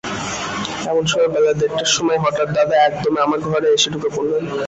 এমন সময়ে বেলা দেড়টার সময় হঠাৎ দাদা একদমে আমার ঘরে এসে ঢুকে পড়লেন।